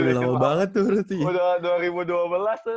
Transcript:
ini lama banget tuh menurutnya